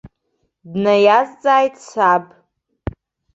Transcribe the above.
Днаиазҵааит саб.